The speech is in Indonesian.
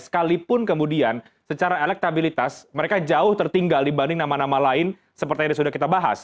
sekalipun kemudian secara elektabilitas mereka jauh tertinggal dibanding nama nama lain seperti yang sudah kita bahas